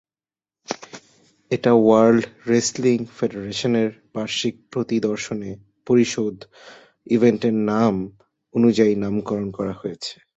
এটা world wrestling ফেডারেশনের বার্ষিক প্রতি-দর্শনে-পরিশোধ ইভেন্টের নাম অনুযায়ী নামকরণ করা হয়েছে।